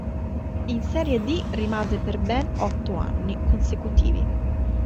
In Serie D rimase per ben otto anni consecutivi.